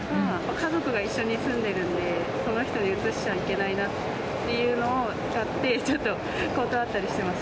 家族が一緒に住んでるんで、その人にうつしちゃいけないなっていうのを使って、ちょっと断ったりしてます。